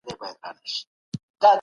موږ جمع لا ښه زده کوو.